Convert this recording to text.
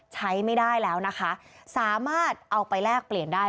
ใช้ไม่ได้แล้วนะคะสามารถเอาไปแลกเปลี่ยนได้